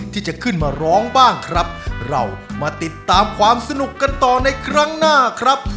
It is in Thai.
ต่อไปช่วยเชียร์น้องเก่งของผมด้วยนะครับ